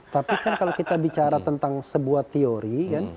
tapi kan kalau kita bicara tentang sebuah teori